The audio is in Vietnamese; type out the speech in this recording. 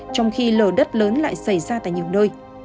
trong khi lở đất lớn lại xảy ra tại nhiều nơi